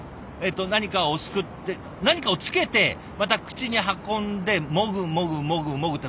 何かをすくって何かをつけてまた口に運んでもぐもぐもぐもぐって。